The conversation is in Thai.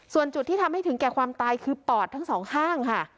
ส่วนจุดที่ทำให้ถึงแก่ความตายคือปอดทั้งสองข้างค่ะ